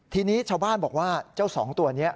ทีนี้ชาวบ้านบอกว่าเจ้าสองตัวนี้